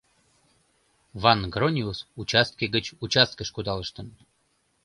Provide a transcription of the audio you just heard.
Ван-Грониус участке гыч участкыш кудалыштын.